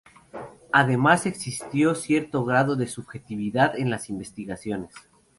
Además, existió cierto grado de subjetividad en las investigaciones.